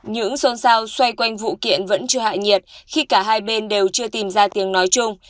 những xôn xao xoay quanh vụ kiện vẫn chưa hạ nhiệt khi cả hai bên đều chưa tìm ra tiếng nói chung